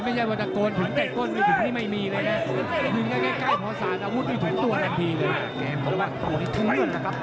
นี่เหมือนกับของบรรที่ตรงนี้จึงหนึ่งนะครับ